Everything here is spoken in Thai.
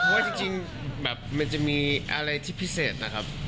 เพราะว่าจริงแบบมันจะมีอะไรที่พิเศษนะครับ